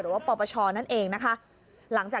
หรือว่าปปชนั่นเองนะคะ